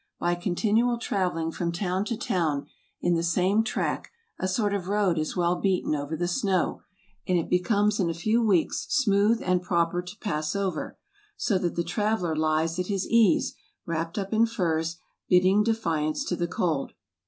By con¬ tinual travelling from town to town, in the same track, a sort of road is well beaten over the snow, and it becomes in a few weeks smooth, and proper to pass over; so that the traveller lies at his ease, wrapped up in furs, bidding de¬ fiance to the cold.